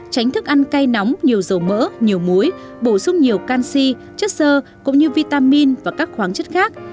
tránh thức ăn cay nóng nhiều dầu mỡ nhiều muối bổ sung nhiều canxi chất sơ cũng như vitamin và các khoáng chất khác